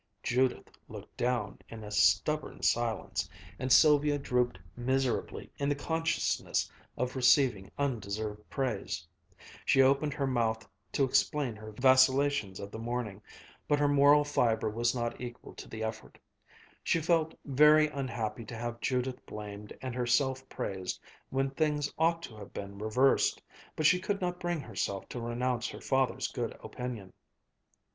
Judith looked down in a stubborn silence, and Sylvia drooped miserably in the consciousness of receiving undeserved praise. She opened her mouth to explain her vacillations of the morning, but her moral fiber was not equal to the effort. She felt very unhappy to have Judith blamed and herself praised when things ought to have been reversed, but she could not bring herself to renounce her father's good opinion.